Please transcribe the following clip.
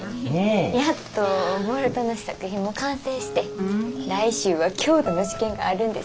やっとボルトの試作品も完成して来週は強度の試験があるんです。